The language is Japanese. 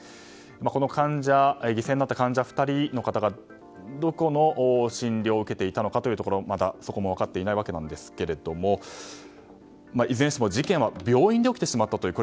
この犠牲になった患者２人の方がどこの診療を受けていたのかまた、そこも分かっていないわけですがいずれにしても事件は病院で起きてしまった。